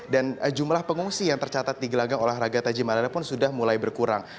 dan jumlah pengungsi yang tercatat di gelanggang olahraga gortaji malela pun sudah mulai berkurang